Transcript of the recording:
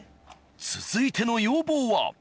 ☎続いての要望は？